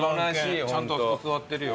ちゃんとあそこ座ってるよ。